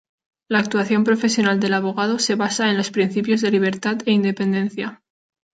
La actuación profesional del abogado se basa en los principios de libertad e independencia.